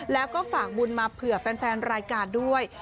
แล้วก็ฝากบุญมาเผื่อแฟนรายการด้วย